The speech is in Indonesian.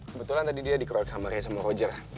kebetulan tadi dia dikeroyok sama ray sama roger